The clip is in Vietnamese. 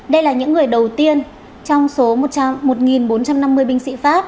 đây là những người đầu tiên trong số một bốn trăm năm mươi binh sĩ pháp